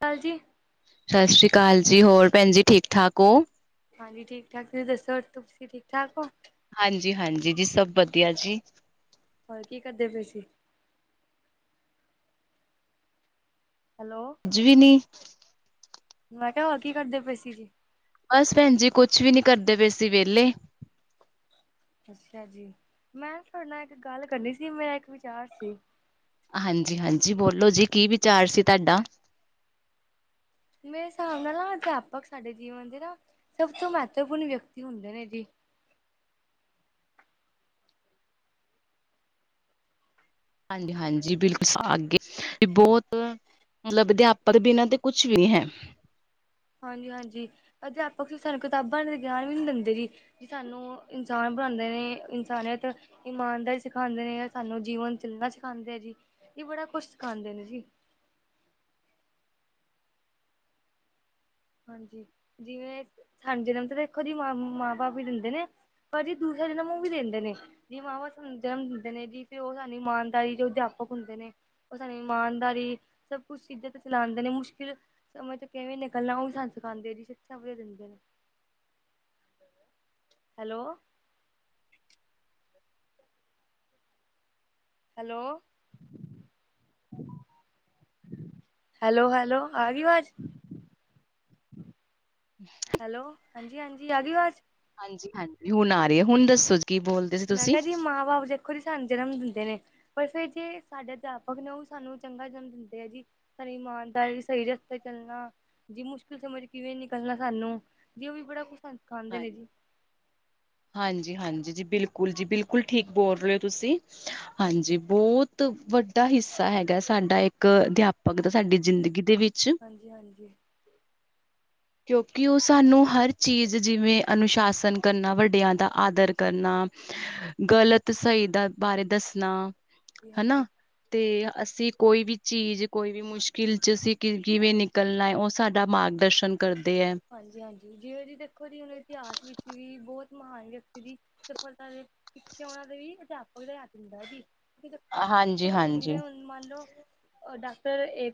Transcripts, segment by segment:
ਕੱਲ ਜੀ ਸਤਿ ਸ੍ਰੀ ਅਕਾਲ ਜੀ, ਹੋਰ ਭੈਣ ਜੀ ਠੀਕ-ਠਾਕ ਓ? ਹਾਂਜੀ, ਠੀਕ-ਠਾਕ, ਤੁਹੀ ਦੱਸੋ ਤੁਸੀ ਠੀਕ-ਠਾਕ ਓ? ਹਾਂਜੀ-ਹਾਂਜੀ, ਜੀ ਸਭ ਵਧੀਆ ਜੀ। ਹੋਰ, ਕੀ ਕਰਦੇ ਪਏ ਸੀ? ਹੈਲੋ। ਕੁੱਜ ਵੀ ਨੀ। ਮੈਂ ਕਿਹਾ, ਹੋਰ ਕੀ ਕਰਦੇ ਪਏ ਸੀ ਜੀ? ਬਸ ਭੈਣ ਜੀ ਕੁਛ ਵੀ ਨੀ ਕਰਦੇ ਪਏ ਸੀ, ਵਿਹਲੇ। ਅੱਛਾ ਜੀ, ਮੈਂ ਤੁਹਾਡੇ ਨਾਲ ਇੱਕ ਗੱਲ ਕਰਨੀ ਸੀ, ਮੇਰਾ ਇੱਕ ਵਿਚਾਰ ਸੀ। ਹਾਂਜੀ-ਹਾਂਜੀ, ਬੋਲੋ ਜੀ, ਕੀ ਵਿਚਾਰ ਸੀ ਤੁਹਾਡਾ? ਮੇਰੇ ਹਿਸਾਬ ਨਾਲ ਨਾ ਅਧਿਆਪਕ ਸਾਡੇ ਜੀਵਨ ਦੇ ਨਾ, ਸਭ ਤੋਂ ਮਹੱਤਵਪੂਰਨ ਵਿਅਕਤੀ ਹੁੰਦੇ ਨੇ ਜੀ। ਹਾਂਜੀ-ਹਾਂਜੀ, ਬਿਲਕੁਲ ਅਗੇ, ਬਹੁਤ ਮਤਲਬ, ਅਧਿਆਪਕ ਬਿਨਾਂ ਤੇ ਕੁਛ ਵੀ ਨੀ ਹੈ। ਹਾਂਜੀ-ਹਾਂਜੀ, ਅਧਿਆਪਕ ਵੀ ਸਾਨੂੰ ਕਿਤਾਬਾਂ ਗਿਆਨ ਵੀ ਨਹੀਂ ਦਿੰਦੇ ਜੀ। ਜੀ ਸਾਨੂੰ ਇਨਸਾਨ ਬਣਾਂਦੇ ਨੇ, ਇਨਸਾਨੀਅਤ ਇਮਾਨਦਾਰੀ ਸਿਖਾਂਦੇ ਨੇ, ਸਾਨੂੰ ਜੀਵਨ ਚੱਲਣਾ ਸਿਖਾਂਦੇ ਆ ਜੀ, ਏ ਬੜਾ ਕੁਛ ਸਿਖਾਂਦੇ ਨੇ ਜੀ। ਹਾਂਜੀ, ਜਿਵੇਂ ਸਾਨੂੰ ਜਨਮ ਤੇ ਦੇਖੋ ਦੀ ਮ, ਮਾਂ-ਬਾਪ ਈ ਦਿੰਦੇ ਨੇ। ਪਰ ਜੀ ਦੂਸਰੇ ਦੇ ਨਾਲ ਮੂੰਹ ਵੀ ਦਿੰਦੇ ਨੇ। ਜੀ ਮਾਂ-ਬਾਪ ਸਾਨੂੰ ਜਨਮ ਦਿੰਦੇ ਨੇ ਜੀ, ਫਿਰ ਉਹ ਸਾਨੂੰ ਇਮਾਨਦਾਰੀ ਜੋ ਅਧਿਆਪਕ ਹੁੰਦੇ ਨੇ। ਉਹ ਸਾਨੂੰ ਇਮਾਨਦਾਰੀ, ਸਭ ਕੁੱਛ ਸਿੱਧੇ ਤੇ ਚਲਾਂਦੇ ਨੇ, ਮੁਸ਼ਕਿਲ ਸਮੇਂ ਤੋਂ ਕਿਵੇਂ ਗੱਲਾਂ ਉਹ ਵੀ ਸਾਨੂੰ ਸਿਖਾਂਦੇ ਆ ਜੀ, ਸਿੱਖਿਆ ਦਿੰਦੇ ਨੇ, ਹੈਲੋ। ਹੈਲੋ ਹੈਲੋ-ਹੈਲੋ, ਆ ਗਈ ਅਵਾਜ਼? [inaudible] [inaudible] ਹੈਲੋ, ਹਾਂਜੀ-ਹਾਂਜੀ ਆਗੀ ਅਵਾਜ਼? ਹਾਂਜੀ-ਹਾਂਜੀ, ਹੁਣ ਆ ਰਹੀ ਏ, ਹੁਣ ਦੱਸੋ ਜੀ ਕੀ ਬੋਲ ਮੈਂ ਕਿਆ ਜੀ, ਮਾਂ-ਬਾਪ ਜੇ ਰੀ ਸਾਨੂੰ ਜਨਮ ਦਿੰਦੇ ਨੇ, ਪਰ ਫਿਰ ਜੇ ਸਾਡੇ ਅਧਿਆਪਕ ਨੇ ਉਹ ਸਾਨੂੰ ਚੰਗਾ ਜਨਮ ਦਿੰਦੇ ਆ ਜੀ। ਸਾਰੀ ਇਮਾਨਦਾਰੀ, ਸਹੀ ਰਸਤੇ ਚੱਲਨਾ। ਜੀ ਮੁਸ਼ਕਿਲ ਸਮੇਂ'ਚ ਕਿਵੇਂ ਨਿਕਲਣਾ ਸਾਨੂੰ, ਜੀ ਉਹ ਵੀ ਬੜਾ ਕੁਛ ਸਿਖਾਂਦੇ ਨੇ ਜੀ। ਹਾਂਜੀ-ਹਾਂਜੀ ਜੀ, ਬਿਲਕੁਲ ਜੀ, ਬਿਲਕੁਲ ਠੀਕ ਬੋਲ ਰਹੇ ਓ ਤੁਸੀ। ਹਾਂਜੀ, ਬਹੁਤ ਵੱਡਾ ਹਿੱਸਾ ਹੈਗਾ ਸਾਡਾ ਇੱਕ ਅਧਿਆਪਕ ਦਾ, ਸਾਡੀ ਜ਼ਿੰਦਗੀ ਦੇ ਵਿੱਚ। ਹਾਂਜੀ-ਹਾਂਜੀ। ਕਿਉਕੀ ਉਹ ਸਾਨੂੰ ਹਰ ਚੀਜ਼ ਜੀ ਜਿਵੇਂ, ਅਨੁਸ਼ਾਸਨ ਕਰਨਾ, ਵੱਡਿਆਂ ਦਾ ਆਦਰ ਕਰਨਾ। ਗਲਤ, ਸਹੀ ਦਾ ਬਾਰੇ ਦੱਸਣਾ, ਜੀ ਹਨਾ। ਹਾਂਜੀ ਤੇ, ਅਸੀਂ ਕੋਈ ਵੀ ਚੀਜ਼ ਕੋਈ ਵੀ ਮੁਸ਼ਕਿਲ'ਚ ਅਸੀਂ ਕਿਵੇਂ ਨਿਕਲਣਾ ਏ, ਉਹ ਸਾਡਾ ਮਾਗ ਦਰਸ਼ਨ ਕਰਦੇ ਐ। ਹਾਂਜੀ- ਹਾਂਜੀ ਜਿਵੇਂ ਜੀ ਦੇਖੋ ਜੀ ਹੁਣ ਇਤਿਹਾਸ ਵਿੱਚ ਵੀ ਬਹੋਤ ਮਹਾਨ ਵਿਅਕਤੀ ਦੀ ਸਫਲਤਾ ਦੇ ਪਿੱਛੇ ਉਹਨਾਂ ਦੇ ਵੀ ਅਧਿਆਪਕ ਦਾ ਹੱਥ ਹੂੰਦਾਂ ਜੀ। ਹਾਂਜੀ-ਹਾਂਜੀ। ਜਿਵੇਂ ਹੁਣ ਮੰਨ ਲਓ। ਡਾਕਟਰ ਏ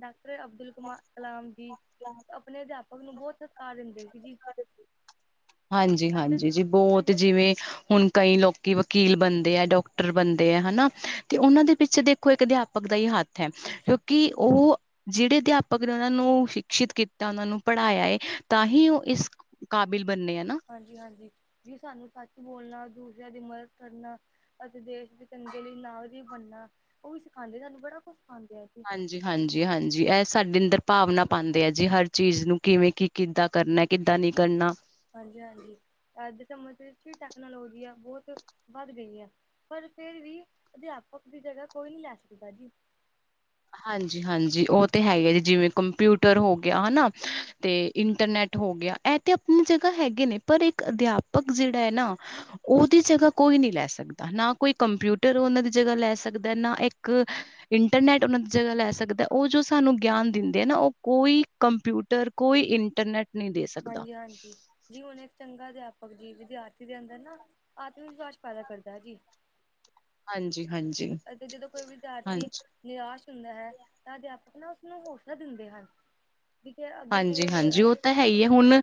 ਡਾਕਟਰ ਅਬਦੁਲ ਕਮਾਰ ਕਲਾਮ ਜੀ ਆਪਣੇ ਅਧਿਆਪਕ ਉਸਨੂੰ ਬਹੋਤ ਸਤਕਾਰ ਦਿੰਦੇ ਸੀ ਜੀ। ਹਾਂਜੀ- ਕਹਿੰਦੇ ਹਾਂਜੀ ਜੀ ਬਹੋਤ ਜਿਵੇਂ ਹੁਣ ਕਈ ਲੋਕੀਂ ਵਕੀਲ ਬਣਦੇ ਆ, ਡਾਕਟਰ ਬਣਦੇ ਆ ਹਨਾ ਤੇ ਉਹਨਾਂ ਦੇ ਪਿੱਛੇ ਦੇ ਦੇਖੋ ਇੱਕ ਅਧਿਆਪਕ ਦਾ ਹੀ ਹੱਥ ਐ। ਕਿਉਂਕਿ ਉਹ ਜਿਹੜੇ ਅਧਿਆਪਕ ਨੇ ਉਹਨਾਂ ਨੂੰ ਸ਼ਿਕਸ਼ਿਤ ਕੀਤਾ ਉਹਨਾਂ ਨੂੰ ਪੜਾਇਆ ਏ, ਤਾਂ ਹੀ ਉਹ ਇਸ ਕਾਬਿਲ ਬਣਨੇ ਏ ਨਾ। ਹਾਂਜੀ- ਹਾਂਜੀ ਜੀ ਸਾਨੂੰ ਸੱਚ ਬੋਲਣਾ ਦੂਸਰਿਆਂ ਦੀ ਮਦਦ ਕਰਨਾ ਅਤੇ ਦੇਸ਼ ਦੇ ਚੰਗੇ ਲਈ ਨਾਗਰਿਕ ਬਣਨਾ ਉਹ ਵੀ ਸਿਖਾਉਂਦੇ ਸਾਨੂੰ ਬੜਾ ਕੁਛ ਸਿਖਾਂਦੇ ਏ। ਹਾਂਜੀ- ਹਾਂਜੀ, ਹਾਂਜੀ ਇਹ ਸਾਡੇ ਅੰਦਰ ਭਾਵਨਾ ਪਾਉਂਦੇ ਆ ਜੀ ਹਰ ਚੀਜ਼ ਨੂੰ ਕਿਵੇਂ ਕੀ ਕਿੱਦਾਂ ਕਰਨਾ ਕਿੱਦਾਂ ਨਹੀਂ ਕਰਨਾ। ਹਾਂਜੀ- ਹਾਂਜੀ ਅੱਜ ਦੇ ਸਮੇਂ ਦੇ ਵਿੱਚ ਟੈਕਨੋਲੋਜੀ ਆ ਬਹੋਤ ਵੱਧ ਗਈ ਆ। ਪਰ ਫੇਰ ਵੀ ਅਧਿਆਪਕ ਦੀ ਜਗਾ ਕੋਈ ਨਹੀਂ ਲੈ ਸਕਦਾ ਜੀ। ਹਾਂਜੀ- ਹਾਂਜੀ ਉਹ ਤੇ ਹੈਗੇ ਜੀ ਜਿਵੇਂ ਕੰਪਿਊਟਰ ਹੋ ਗਿਆ ਹਨਾ, ਤੇ ਇੰਟਰਨੈਟ ਹੋ ਗਿਆ। ਇਹ ਤੇ ਆਪਣੀ ਜਗਾ ਹੈਗੇ ਨੇ ਪਰ ਇੱਕ ਅਧਿਆਪਕ ਜਿਹੜਾ ਹੈ ਨਾ ਉਹਦੀ ਜਗਾ ਕੋਈ ਨਹੀਂ ਲੈ ਸਕਦਾ, ਨਾ ਕੋਈ ਕੰਪਿਊਟਰ ਉਹਨਾਂ ਦੀ ਜਗਾ ਲੈ ਸਕਦਾ ਨਾ ਇੱਕ ਇੰਟਰਨੈੱਟ ਉਹਨਾਂ ਦੀ ਜਗਾ ਲੈ ਸਕਦਾ ਉਹ ਜੋ ਸਾਨੂੰ ਗਿਆਨ ਦਿੰਦੇ ਹੈ ਨਾ ਉਹ ਕੋਈ ਕੰਪਿਊਟਰ ਕੋਈ ਇੰਟਰਨੈੱਟ ਹਾਂਜੀ- ਹਾਂਜੀ। ਜੀ ਹੁਣ ਇੱਕ ਚੰਗਾ ਅਧਿਆਪਕ ਜੀ ਵਿਦਿਆਰਥੀ ਦੇ ਅੰਦਰ ਨਾ, ਆਤਮ ਵਿਸ਼ਵਾਸ ਪੈਦਾ ਕਰਦਾ ਹੈ ਜੀ। ਹਾਂਜੀ। ਹਾਂਜੀ। ਅਤੇ ਜਦੋਂ ਕੋਈ ਵਿਦਿਆਰਥੀ ਹਾਂਜੀ ਨਿਰਾਸ਼ ਹੁੰਦਾ ਹੈ ਤਾਂ ਅਧਿਆਪਕ ਨਾ ਉਸਨੂੰ ਹੌਸਲਾ ਦਿੰਦੇ ਹਨ। ਵੀ ਫੇਰ ਅੱਗੇ ਹਾਂਜੀ ਕਿਵੇਂ ਹਾਂਜੀ ਵੱਧਣਾ ਏ? ਉਹ ਤਾਂ ਹੈ ਹੀ ਹੈ ਹੁਣ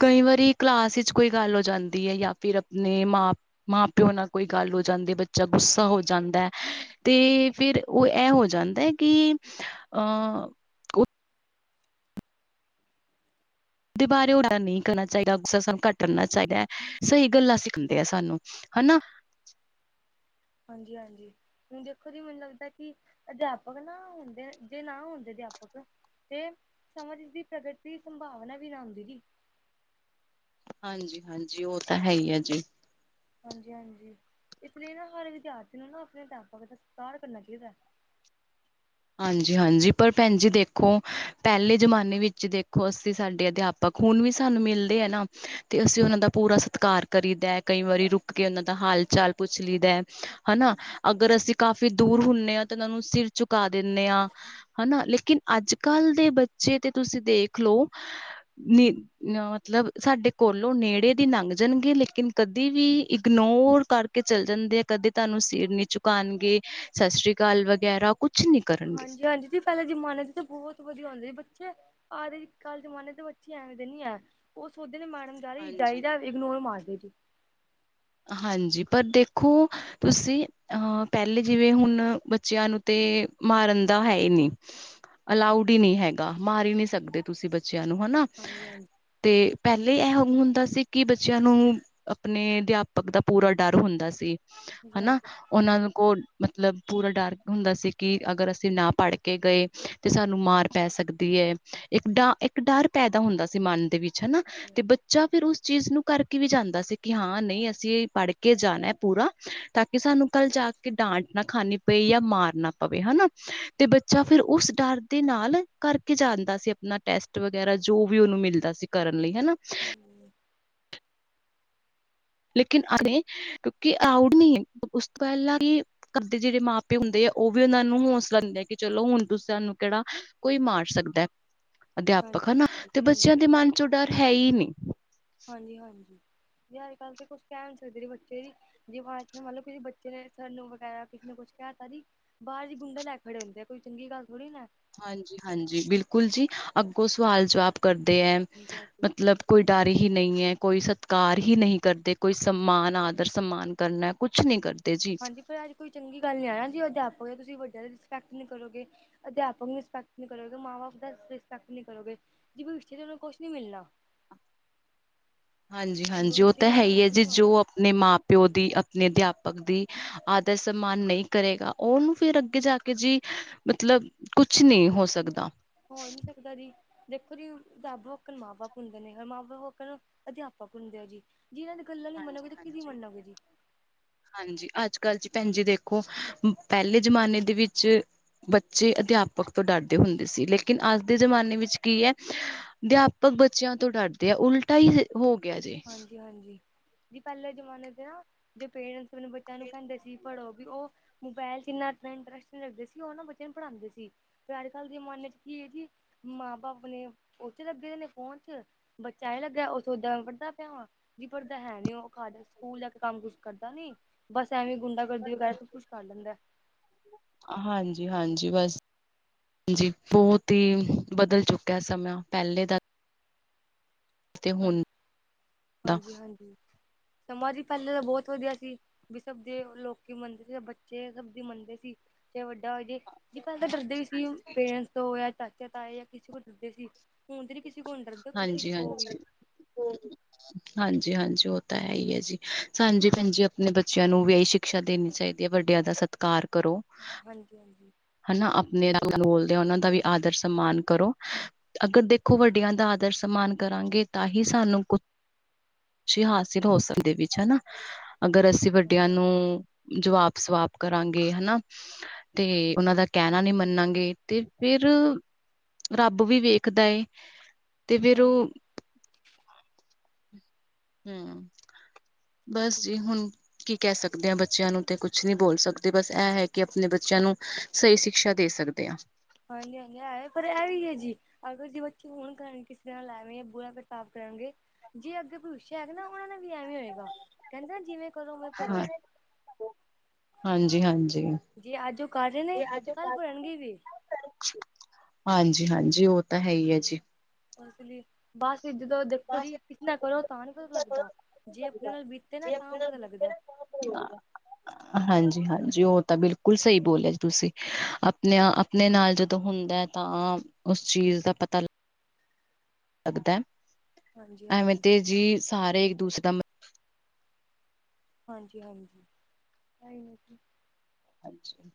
ਕਈ ਵਾਰੀ ਕਲਾਸ ਵਿੱਚ ਕੋਈ ਗੱਲ ਹੋ ਜਾਂਦੀ ਹੈ ਜਾਂ ਫੇਰ ਆਪਣੇ ਮਾਂ ਮਾਂ-ਪਿਓ ਨਾਲ ਕੋਈ ਗੱਲ ਹੋ ਜਾਂਦੀ। ਬੱਚਾ ਗੁੱਸਾ ਹੋ ਜਾਂਦਾ ਏ। ਤੇ ਫਿਰ ਉਹ ਇਹ ਹੋ ਜਾਂਦਾ ਕਿ ਅਹ- ਦੇ ਬਾਰੇ ਉਹ ਨਹੀਂ ਕਰਨਾ ਚਾਹੀਦਾ। ਗੁੱਸਾ ਸਾਨੂੰ ਘੱਟ ਕਰਨਾ ਚਾਹੀਦਾ। ਸਹੀ ਗੱਲਾਂ ਸਿੱਖਂਦੇ ਆ ਸਾਨੂੰ, ਹਨਾ। ਹਾਂਜੀ- ਹਾਂਜੀ। ਹੁਣ ਦੇਖੋ ਜੀ, ਮੈਨੂੰ ਲੱਗਦਾ ਕਿ ਅਧਿਆਪਕ ਨਾ ਹੁੰਦੇ, ਜੇ ਨਾ ਹੁੰਦੇ ਅਧਿਆਪਕ। ਤੇ ਸਮਝ ਦੀ, ਸਬਰ ਦੀ, ਸੰਭਾਵਨਾ ਵੀ ਨਾ ਹੁੰਦੀ ਜੀ। ਹਾਂਜੀ- ਹਾਂਜੀ ਉਹ ਤਾਂ ਹੈ ਹੀ ਹੈ ਜੀ। ਹਾਂਜੀ- ਹਾਂਜੀ ਇਸ ਲਈ ਨਾ ਹਰ ਵਿਦਿਆਰਥੀ ਨੂੰ ਨਾ ਆਪਣੇ ਅਧਿਆਪਕ ਦਾ ਸਤਿਕਾਰ ਕਰਨਾ ਚਾਹੀਦਾ। ਹਾਂਜੀ- ਹਾਂਜੀ ਪਰ ਭੈਣ ਜੀ ਦੇਖੋ ਪਹਿਲੇ ਜ਼ਮਾਨੇ ਵਿੱਚ ਦੇਖੋ, ਅਸੀਂ ਸਾਡੇ ਅਧਿ ਆਪਕ ਹੁਨ ਵੀ ਸਾਨੂੰ ਮਿਲਦੇ ਆ ਨਾ, ਤੇ ਅਸੀਂ ਉਹਨਾਂ ਦਾ ਪੂਰਾ ਸਤਿਕਾਰ ਕਰੀਦਾ। ਕਈ ਵਾਰੀ ਰੁਕ ਕੇ ਉਹਨਾਂ ਦਾ ਹਾਲ-ਚਾਲ ਪੁੱਛ ਲਈਦਾ, ਹਨਾ। ਅਗਰ ਅਸੀਂ ਕਾਫ਼ੀ ਦੂਰ ਹੁੰਦੇ ਹਾਂ ਤੇ ਇਹਨਾਂ ਨੂੰ ਸਿਰ ਚੁੱਕ ਚੁਕਾ ਦਿੰਦੇ ਹਾਂ, ਹਨਾ ਲੇਕਿਨ ਅੱਜ-ਕੱਲ ਦੇ ਬੱਚੇ ਤੇ ਤੁਸੀਂ ਦੇਖ ਲਓ। ਨੀ, ਮਤਲਬ ਸਾਡੇ ਕੋਲੋਂ ਨੇੜੇ ਦੀ ਲੰਘ ਜਾਣਗੇ ਲੇਕਿਨ ਕਦੇ ਵੀ ਇਗਨੋਰ ਕਰ ਕੇ ਚੱਲ ਜਾਂਦੇ ਆ। ਕਦੇ ਤੁਹਾਨੂੰ ਸਿਰ ਨੀ ਚਝੁਕਾਉਣਗੇ ਸ਼ਸ਼ੀ ਕਾਲ ਵਗੈਰਾ ਕੁਛ ਨਹੀਂ ਕਰਨਗੇ ਹਾਂਜੀ- ਹਾਂਜੀ ਪਹਿਲੇ ਜਮਾਨੇ ਚ ਤਾਂ ਬਹੁਤ ਵਧੀਆ ਹੁੰਦਾ ਸੀ। ਬੱਚੇ, ਅੱਜ-ਕੱਲ੍ਹ ਜਮਾਨੇ ਤੇ ਬੱਚੇ, ਐਵੇਂ ਦੇ ਨੀ ਹੈ। ਉਹ ਸੋਚਦੇ ਨੇ, ਮੈਡਮ ਜਾ ਰਹੀ ਜਾਈ ਹਾਂਜੀ ਜਾਏ ਇਗਨੋਰ ਮਾਰਦੇ ਜੀ ਹਾਂਜੀ, ਪਰ ਦੇਖੋ, ਤੁਸੀਂ ਅਹ ਪਹਿਲੇ ਜਿਵੇਂ, ਹੁਣ ਬੱਚਿਆਂ ਨੂੰ ਤੇ ਮਾਰਨ ਦਾ ਹੈ ਹੀ ਨਈ ਅਲਾਊਡ ਨਈ ਹੈਗਾ, ਮਾਰ ਹੀ ਨਹੀਂ ਸਕਦੇ ਤੁਸੀਂ, ਬੱਚਿਆਂ ਨੂੰ ਹਨਾ ਹਾਂਜੀ -ਹਾਂਜੀ ਤੇ ਪਹਿਲੇ, ਇਹੋ ਹੁੰਦਾ ਸੀ ਕਿ, ਬੱਚਿਆਂ ਨੂੰ ਆਪਣੇ ਅਧਿਆਪ ਅਧਿਆਪਕ ਦਾ ਪੂਰਾ, ਡਰ ਹੁੰਦਾ ਸੀ ਜੀ ਹਨਾ। ਹਾਂਜੀ ਉਹਨਾਂ ਕੋਲ ਮਤਲਬ, ਪੂਰਾ ਡਰ ਹੁੰਦਾ ਸੀ। ਕਿ, ਅਗਰ ਅਸੀਂ ਨਾ ਪੜ੍ਹ ਕੇ ਗਏ ਤੇ ਸਾਨੂੰ ਮਾਰ, ਪੈ ਸਕਦੀ ਏ ਇੱਕ ਤਾਂ ਡਰ ਇੱਕ ਡਰ ਪੈਦਾ ਹੁੰਦਾ ਸੀ। ਮਨ ਦੇ ਵਿੱਚ ਹਨਾ, ਹਾਂਜੀ ਤੇ ਬੱਚਾ ਫਿਰ ਉਸ ਚੀਜ਼ ਨੂੰ ਕਰਕੇ ਵੀ, ਜਾਂਦਾ ਸੀ। ਕਿ ਅ ਜੇ ਪੜ੍ਹ ਕੇ ਜਾਣਾ ਪੂਰਾ, ਤਾਂ ਕਿ, ਸਾਨੂੰ ਕੱਲ ਜਾ ਕੇ ਡਾਂਟ ਨਾ ਖਾਣੀ ਬਈ ਆ ਮਾਰ ਨਾ ਪਵੇ ਹਨਾ।। ਤੇ, ਬੱਚਾ ਫਿਰ ਉਸ ਡਰ ਦੇ ਨਾਲ, ਕਰਕੇ ਜਾਂਦਾ ਸੀ ਆਪਣਾ ਟੈਸਟ ਵਗੈਰਾ, ਜੋ ਉਹਨੂੰ ਮਿਲਦਾ ਸੀ ਕਰਨ ਲਈ ਹਨਾ। ਹਮ। ਲੇਕਿਨ ਅਤੇ ਕਿਉਂਕਿ, ਅਰਾਊਡ ਨਈ ਉਸ ਤੋਂ ਪਹਿਲਾਂ ਈ ਘਰਦੇ ਜਿਹੜੇ ਮਾਂ-ਪਿਓ ਹਦੇ ਆ, ਉਹ ਵੀ ਨੂੰ ਹੌਸਲਾ ਦਿੰਦੇ ਆ। ਕਿ, ਚਲੋ ਹੁਣ ਤੁਸੀਂ ਸਾਨੂੰ ਕਿਹੜਾ ਓਈ ਮਾਰ ਸਕਦਾ ਅਧਿਆਪਕ, ਹਨਾ। ਹਾਂਜੀ ਤੇ ਬੱਚਿਆਂ ਹਾਂਜੀ ਦੇ ਮਨ ਚੋਂ ਡਰ ਹੈ ਹੀ ਨਈ ਹਾਂਜੀ-ਹਾਂਜੀ ਅੱਜ-ਕੱਲ੍ਹ ਤਾਂ ਕੁਛ ਕਹਿ ਨਹੀਂ ਸਕਦੇ ਬੱਚੇ ਵੀ ਜੇ ਮੰਨ ਲਓ, ਕਿਸੇ ਬੱਚੇ ਨੇ ਸਰ ਨੂੰ ਵਗੈਰਾ, ਕਿਸੇ ਨੇ ਕੁਛ ਕਿਹ ਤਾਂ ਜੀ ਬਾਹਰ ਗੁੰਡੇ ਲੈ ਖੜੇ ਹੁੰਦੇ ਆ, ਕੋਈ ਚੰਗੀ ਗੱਲ ਥੋੜੀ ਨਾ ਹਾਂਜੀ- ਹਾਂਜੀ ਬਿਲਕੁਲ ਜੀ, ਅੱਗੋਂ ਸਵਾਲ ਜਵਾਬ ਕਰਦੇ ਏ ਹਾਂਜੀ ਹਾਂਜੀ ਮਤਲਬ ਕੋਈ ਡਰ ਹੀ ਨਹੀਂ ਏ, ਕੋਈ ਸਤਿਕਾਰ ਹੀ ਨਹੀਂ ਕਰਦੇ, ਕੋਈ ਸਮਾਨ ਆਦਰ ਸਨਮਾਨ ਕਰਨਾ, ਕੁਛ ਨਹੀਂ ਕਰਨਾ ਹਾਂਜੀ, ਪਰ ਅੱਜ ਕੋਈ ਚੰਗੀ ਗੱਲ ਨੀ ਆ ਨਾ ਜੀ, ਅੱਜ ਅਧਿਆਪਕ ਏ, ਤੁਸੀਂ ਵੱਡਿਆਂ ਦੀ ਰਿਸਪੈਕਟ ਨਹੀਂ ਕਰੋਗੇ। ਅਧਿਆਪਕ ਦੀ ਰਿਸਪੈਕਟ ਨਈ ਕਰੋਗੇ। ਮਾਂ-ਬਾਪ ਦਾ ਰਿਸਪੈਟ ਨਹੀਂੀ ਕਰੋਗੇ। ਭਵਿਸ਼ ਤੇ ਉਹਨੂੰ ਕੁਛ ਨੀ ਮਿਲਣਾ। ਹਾਂਜੀ- ਹਾਂਜੀ ਉਹ ਭਵਿੱਸ਼ 'ਚ ਤਾਂ ਹੈ ਉਹਨਾ ਹੀ ਹੈ ਜੀ ਨਹੀਂ ਜੋ ਹੋਣਾ ਆਪਣੇ ਮਾਂ-ਪਿਓ ਦੀ ਆਪਣੇ ਅਧਿਆਪਕ ਦੀ ਆਦਰ-ਸਨਮਾਨ ਨਹੀਂ ਕਰੇਗਾ। ਉਹਨੂੰ ਫਿਰ ਅੱਗੇ ਜਾ ਕੇ ਜੀ ਮਤਲਬ ਕੁਛ ਨਹੀਂ, ਹੋ ਸਕਦਾ। ਹੋ ਨਹੀਂ ਸਕਦਾ ਜੀ ਦੇਖੋ ਜੀ, ਰੱਬ ਵਾਕਣ ਮਾਂ ਬਾਪ ਹੁੰਦੇ ਨੇ, ਰ ਮਾਂ ਬਾਪ ਵਾਕਣ ਅਧਿਆਪਕ ਹੁੰਦੇ ਆ ਜੀ ਜੀ ਇਹਨਾਂ ਦੀਆ ਗੱਲਾਂ ਨ ਮੰਨੋਗੇ ਤਾਂ ਕਿਦੀ ਹਾਂਜੀ-ਹਾਂਜੀ। ਹਾਂਜੀ ਮੰਨੋਗੇ ਜੀ ਹਾਂਜੀ, ਅੱਜ-ਕੱਲ ਜੀ ਭੈਣ ਜੀ ਦੇਖੋ ਪਹਿਲੇ ਜਮਾਨੇ ਦੇ ਵਿੱਚ ਬੱਚੇ ਅਧਿਆਪਕ ਤੋਂ, ਡਰਦੇ ਹੁੰਦੇ ਸੀ। ਲੇਕਿਨ, ਅੱਜ ਦੇ ਜ਼ਮਾਨੇ ਵਿੱਚ ਕੀ ਆ ਅਧਿਆਪਕ ਬੱਚਿਆਂ ਤੋਂ ਡਰਦੇ ਆ, ਉਲਟਾ ਹੀ ਹੋ ਗਿਆ ਜੀ ਜੀ ਹਾਂਜੀ ਜੀ, ਕੀ ਪਹਿਲੇ ਜਮਾਨੇ ਤੇ ਨਾ ਜੋ ਪੇਰੈਂਟਸ ਆਪਣੇ ਬੱਚਿਆਂ ਨੂੰ ਕਹਿੰਦੇ, ਸੀ ਪੜ੍ਹੋ ਉਹ ਮੋਬਾਇਲ 'ਚ ਇਨਾ ਇੰਟਰਸਟ ਲੱਗਦੇ ਸੀ। ਉਹ ਨਾ ਬੱਚਿਆਂ ਨੂੰ ਪੜ੍ਹਾਉਂਦੇ ਸੀ। ਅੱਜ- ਕੱਲ੍ਹ ਜ਼ਮਾਨੇ ਚ ਕੀ ਹੈ ਜੀ। ਮਾਂ- ਬਾਪ ਆਪਣੇ ਉਥੇ ਲੱਗੇ ਦੇ ਨੇ ਫੋਨ ਚ, ਬੱਚਾ ਹੀ ਲੱਗਿਆ ਉਥ ਓਦ ਵੱਡਾ ਜੀ ਪੜ੍ਹਦ ਹੈ ਨਈ, ਉਹ ਖਾਲੀ ਸਕੂਲ ਜਾ ਕੇ ਕੰਮ ਕੁਛ ਕਰਦਾ ਨਈ, ਬਸ ਐਵੇਂ ਗੁੰਡਾ ਚੰਡੀਗੜ੍ਹ ਕੁੱਛ ਕਰ ਲੈਂਦਾ ਹਾਂਜੀ-ਹਾਂਜੀ ਬਸ। ਹਾਂਜੀ, ਬਹੁਤ ਹੀ ਬਦਲ ਚੁੱਕਾ ਸਮਾਂ ਪਹਿਲੇ ਦਾ ਤੇ ਹਾਂ ਹੁਣ ਦਾ। ਹਾਂਜੀ-ਹਾਂਜੀ ਸਮਾਂ ਜੀ ਪੈਲੇ ਤੇ ਬੋਤ ਵਧੀਆ ਸੀ। ਬੀ ਸਬਦੀ ਲੋਕੀ ਮੰਨਦੇ, ਬੱਚੇ ਸਬਦੀ ਮੰਨਦੇ ਸੀ। ਚਾਏ ਵੱਡਾ ਹੋਏ ਜੀ। ਜੀ ਪੈਲੇ ਤਾਂ ਡਰਦੇ ਵੀ ਸੀ। ਪੇਰੈਂਟਸ ਤੋਂ ਜਾਂ ਚਾਚੇ ਤਾਏ ਜਾਂ ਕਿਸੇ ਕੋ ਡਰਦੇ ਸੀ। ਹੂਣ ਤੇ ਨੀਂ ਕਿਸੇ ਕੋ ਨੀਂ ਡਰਦਾ ਕਿਸੇ ਕੋ ਵੀ ਹਾਂਜੀ-ਹਾਂਜੀ। [inaudible] ਹਾਂਜੀ-ਹਾਂਜੀ, ਓ ਤਾਂ ਹੈ ਈ ਏ ਜੀ। ਸਾਨੂੰ ਜੀ ਭੈਣ ਜੀ, ਆਪਣੇ ਬੱਚਿਆਂ ਨੂੰ ਵੀ ਏਈ ਸ਼ਿਕਸ਼ਾ ਦੇਣੀ ਚਾਈਦੀ ਐ, ਵੱਡਿਆਂ ਦਾ ਸਤਿਕਾਰ ਕਰੋ। ਹਾਂਜੀ, ਹਾਂਜੀ। ਹਨਾਂ ਆਪਣੇ ਰੰਗ ਬੋਲਦੇ ਆ ਓਨਾਂ ਦਾ ਵੀ ਆਦਰ ਸਮਾਨ ਕਰੋ ਅਗਰ ਦੇਖੋ, ਵੱਡਿਆਂ ਹਾਂਜੀ ਦਾ ਆ ਦਰ ਸਮਾਨ ਕਰਾਂਗੇ ਤਾਂ ਹੀ ਸਾਨੂੰ ਕੁ ਕੁਛ ਹਾਸਿਲ ਹੋ ਸਕਦੇ ਵਿੱਚ ਹਨਾਂ। ਅਗਰ ਅਸੀਂ ਵੱਡਿਆਂ ਹਾਂਜੀ ਨੂੰ ਜਵਾਬ-ਸਵਾਬ ਕਰਾਂਗੇ। ਹਨਾ, ਤੇ ਹਾਂਜੀ ਓਨਾਂ ਦਾ ਕੈਣਾਂ ਨੀਂ ਮੰਨਾਂਗੇ, ਤੇ ਫਿਰ ਰੱਬ ਵੀ ਵੇਖਦਾ ਏ। ਤੇ ਫੇਰ ਹਾਂਜੀ ਹਂ। ਬਸ ਜੀ ਹੁਣ ਕੀ ਕੈਅ ਸਕਦੇ ਆਂ ਬੱਚਿਆਂ ਨੂੰ ਤੇ ਕੁਛ ਨ੍ਹੀਂ ਬੋਲ ਸਕਦੇ। ਬਸ ਇਹ ਹੈ ਕਿ ਆਪਣੇ ਬੱਚਿਆਂ ਨੂੰ ਸਈ ਸ਼ਿਕਸ਼ਾ ਦੇ ਸਕਦੇ ਆਂ। ਹਾਂਜੀ-ਹਾਂਜੀ, ਆਏ? ਪਰ ਐ ਆਏ ਈ ਏ ਜੀ। ਅਗਰ [unintelligible] ਕਿਸੇ ਨਾਲ ਐਵੇਂ ਜਾਂ ਬੁਰਾ ਬ੍ਰਤਾਵ ਕਰਾਂਗੇ। ਜੇ ਅੱਗੇ ਭਵੀਛਿਆ ਆਏਗਾ ਨਾਂ, ਓਨਾਂ ਨਾਂ ਵੀ ਐਵੇਂ ਹੋਏਗਾ। ਕੈਂਦੇ ਜਿਵੇਂ ਕਰੋ ਉਵੇਂ ਹਾਂ, ਭਰੋ ਹਾਂਜੀ-ਹਾਂਜੀ। ਜੇ ਅੱਜ ਓ ਕਰ ਰੇ ਨੇਂ ਤੇ ਕੱਲ ਭਰਨਗੇ ਵੀ ਓਈ। [unintelligible] ਹਾਂਜੀ-ਹਾਂਜੀ, ਓ ਤਾਂ ਹੈ ਈ ਆ ਜੀ। ਬਸ ਲੀ, ਬਸ ਵੀ ਜਦੋਂ ਦੇਖੋ ਜੀ ਕਿਸ ਨਾ ਕਰੋ ਤਾਂ ਨੀਂ ਪਤਾ ਲੱਗਦਾ। ਜੇ ਆਪਣੇ ਨਾਲ ਬੀਤੇ ਨਾਂ ਤਾਂ ਪਤਾ ਲੱਗਦਾ। [inaudible] ਹਾਂਜੀ-ਹਾਂਜੀ ਓ ਤਾਂ ਬਿਲਕੁਲ ਸਈ ਬੋਲਿਆ ਜੀ ਤੁਸੀਂ। ਆਪਣਾ ਅਪ ਆਪਣੇ ਨਾਲ ਜਦੋਂ ਹੁੰਦਾ ਤਾਂ ਓਸ ਚੀਜ਼ ਦਾ ਪਤਾ ਲੱ ਗਦਾ ਐ, ਹਾਂਜੀ ਐਵੇਂ ਹਾਂਜੀ ਤੇ ਜੀ ਸਾਰੇ ਇੱਕ ਦੂਸਰੇ ਦਾ ਮ ਹਾਂਜੀ-ਹਾਂਜੀ। [unintelligible] ਹਾਂਜੀ।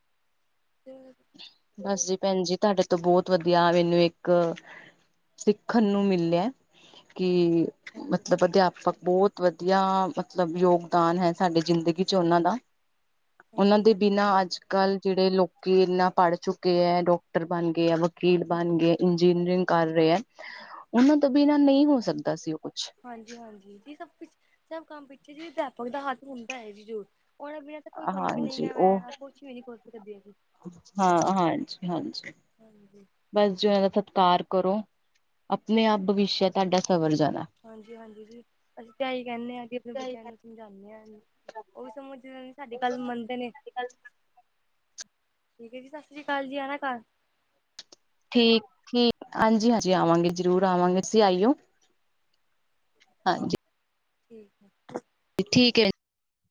ਤੇ ਬਸ ਜੀ, ਭੈਣ ਜੀ, ਤਾਡੇ ਤੇ ਬੋਤ ਵਧੀਆ ਮੈਨੂੰ ਇੱਕ ਸਿੱਖਣ ਨੂੰ ਮਿਲਿਆ। ਕਿ ਮਤਲਬ ਅਧਿਆਪਕ ਬੋਤ ਵਧੀਆ, ਮਤਲਬ ਯੋਗਦਾਨ ਹੈ ਸਾਡੇ ਜ਼ਿੰਦਗੀ ਚ ਓਨਾਂ ਦਾ। ਓਨਾਂ ਦੇ ਬਿਨਾਂ ਅੱਜ-ਕਲ ਜੇੜੇ ਲੋਕੀ ਇਨ੍ਹਾਂ ਪੜ੍ਹ ਚੁੱਕੇ ਏ, ਡਾਕਟਰ ਬਣ ਗਏ ਏ ਵ ਵਕੀਲ ਬਣ ਗਏ ਇੰਜੀਨੀਅਰਿੰਗ ਕਰ ਰੇ ਐ, ਓਨਾ ਤੋਂ ਬਿਨਾਂ ਨਈਂ ਹੋ ਸਕਦਾ ਸੀ ਓ ਕੁਛ। ਹਾਂਜੀ, ਹਾਂਜੀ। ਜੀ ਸਭ, ਸਭ ਕੰਮ ਪਿੱਛੇ ਜੀ ਅਧਿਆਪਕ ਦਾ ਹੱਥ ਹੁੰਦਾ ਐ ਜੀ ਜ਼ਰੂਰ, ਓਨਾਂ ਬਿਨਾਂ ਕੋਈ ਕੰਪਨੀ ਹਾਂਜੀ ਉਹ ਵਗੇ ਕੁੱਛ ਵੀ ਨੀਂ ਕਰ ਸਕਦੇ ਅਸੀਂ। ਹਾਂ, ਹਾਂਜੀ, ਹਾਂਜੀ। ਹਾਂਜੀ। ਬਸ ਜੀ ਇਨ੍ਹਾਂ ਦਾ ਸਤਿਕਾਰ ਕਰੋਂ। ਅਪਣੇ ਆਪ ਭਵਿੱਸ਼ਯ ਤਾਡਾ ਸਵਰ ਜਾਣਾ। ਹਾਂਜੀ, ਹਾਂਜੀ ਜੀ, ਅਸੀਂ ਤੇ ਏਹੀ ਕੈਂਣੇ ਆਂ ਕਿ ਆਪਣੇ ਬੱਚਿਆਂ ਨੂੰ ਸਮਝਾਣੇ ਆਂ ਓ ਵੀ ਸਮਝ ਜਿਵੇਂ ਸਾਡੀ ਗੱਲ ਮੰਨਦੇ ਨੇਂ। ਠੀਕ ਐ ਜੀ ਸਤਿ ਅਕਾਲ ਜੀ। ਆਨਾ ਘਾਰ। ਠੀਕ, ਠੀਕ ਹਾਂਜੀ- ਹਾਂਜੀ ਆਵਾਂਗੇ ਜਰੂਰ ਆਵਾਂਗੇ ਤੁਸੀਂ ਆਈਓ। ਹਾਂਜੀ ਠੀਕ ਹੈ ਠੀਕ ਏ